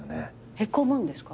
へこむんですか？